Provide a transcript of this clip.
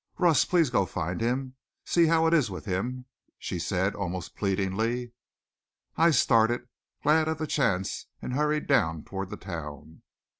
"Russ, please go find him! See how it is with him!" she said, almost pleadingly. I started, glad of the chance and hurried down toward the town.